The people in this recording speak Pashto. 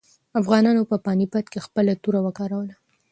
افغانانو په پاني پت کې خپله توره وکاروله.